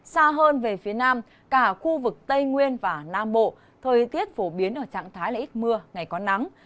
xa hơn về phía nam cả khu vực tây nguyên và nam bộ thời tiết phổ biến ở trạng thái là ít mưa ngày có nắng